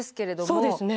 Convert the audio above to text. そうですね。